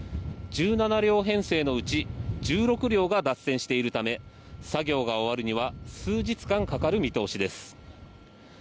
１７両編成のうち１６両が脱線しているため作業が終わるには数日間かかる見通しです。